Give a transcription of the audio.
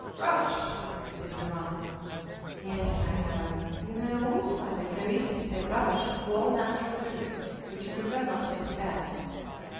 "Rubbish," was his remark. "Yes, I know. You men always find it so easy to say 'rubbish' to all natural truths which you prefer not to discuss."